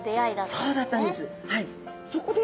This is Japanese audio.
そうだったんです。